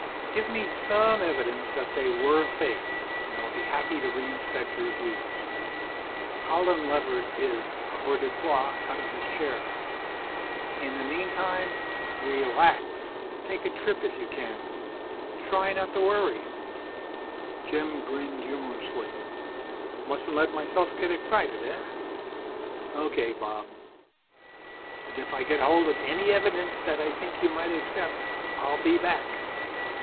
"Give me some evidence that they were faked, and I'll be happy to reinspect your views." Holland levered his avoirdupois out of his chair. "In the meantime, relax. Take a trip if you can. Try not to worry." Jim grinned humorlessly. "Mustn't let myself get excited, eh? Okay, Bob. But if I get hold of any evidence that I think you might accept, I'll be back.